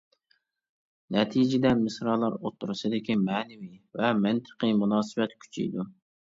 نەتىجىدە مىسرالار ئوتتۇرىسىدىكى مەنىۋى ۋە مەنتىقى مۇناسىۋەت كۈچىيىدۇ.